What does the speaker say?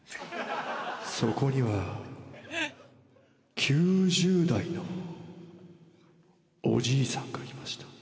そこには９０代のおじいさんがいました。